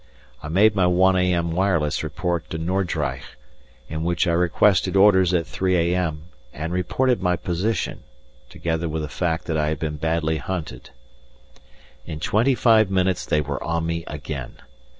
I made my 1 a.m. wireless report to Nordreich, in which I requested orders at 3 a.m. and reported my position, together with the fact that I had been badly hunted. In twenty five minutes they were on me again!